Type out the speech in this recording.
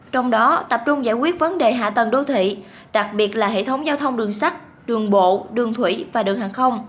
trong đó tập trung giải quyết vấn đề hạ tầng đô thị đặc biệt là hệ thống giao thông đường sắt đường bộ đường thủy và đường hàng không